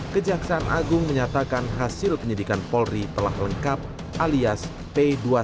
kejaksaan agung menyatakan hasil penyidikan polri telah lengkap alias p dua puluh satu